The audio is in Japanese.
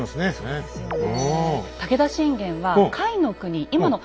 そうですよね。